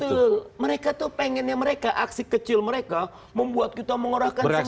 betul mereka tuh pengennya mereka aksi kecil mereka membuat kita mengarahkan semua